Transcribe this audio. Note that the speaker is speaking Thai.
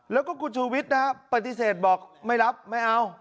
แล้วก็คุณชูวิทย์นะฮะปฏิเสธบอกไม่รับไม่เอา